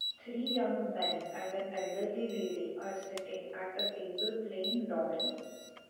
Three young men and an elderly lady are sitting at a table playing dominoes.